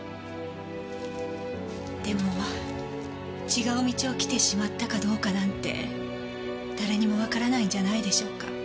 でも違う道を来てしまったかどうかなんて誰にもわからないんじゃないでしょうか。